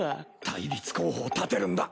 対立候補を立てるんだ。